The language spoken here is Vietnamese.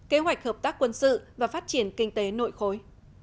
kế hoạch hợp tác quân sự và phát triển kinh tế nội khối